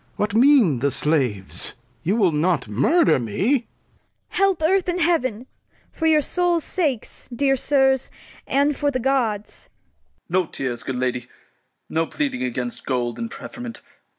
What mean the Slaves ? You will not murder me ? Cord. Help, Earth and Heaven! For your Soul's Sake, dear Sirs, and for the Gods. Offi. No Tears, good Lady, no pleading against Gold and Preferment.